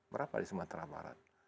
berapa di sumatera barat